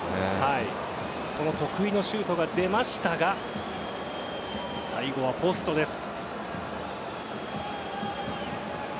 その得意のシュートが出ましたが最後はポストです。